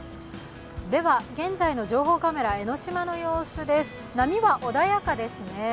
現在の情報カメラ、江の島の様子です、波は穏やかですね。